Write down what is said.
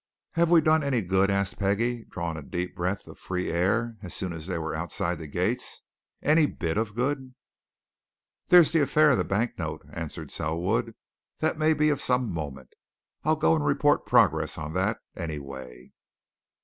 "Have we done any good?" asked Peggie, drawing a deep breath of free air as soon as they were outside the gates. "Any bit of good?" "There's the affair of the bank note," answered Selwood. "That may be of some moment. I'll go and report progress on that, anyway."